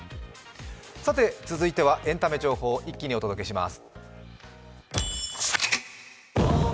続いてはエンタメ情報を一気にお届けします。